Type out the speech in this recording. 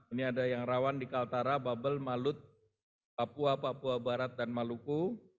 ini ada yang rawan di kaltara babel malut papua papua barat dan maluku